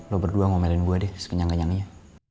lo berdua ngomelin gue deh sekanyang kenyang aja